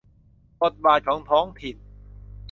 บทบาทของท้องถิ่น